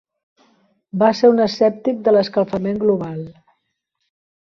Va ser un escèptic de l'escalfament global.